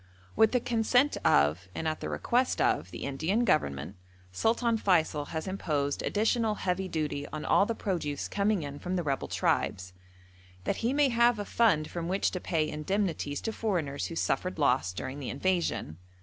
With the consent of, and at the request of, the Indian Government, Sultan Feysul has imposed additional heavy duty on all the produce coming in from the rebel tribes, that he may have a fund from which to pay indemnities to foreigners who suffered loss during the invasion.